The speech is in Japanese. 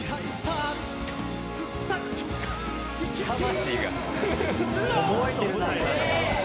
魂が。